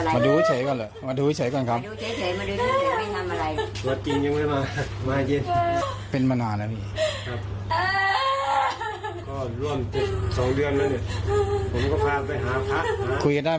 คุยกันได้ไหมครับเป็นไรคุยกันได้ป่ะ